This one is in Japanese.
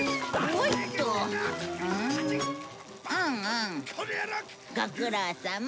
ご苦労さま。